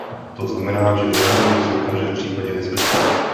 To znamená, že reformy jsou v každém případě nezbytné.